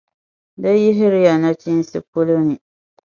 Di yihiri ya nachinsi polo ni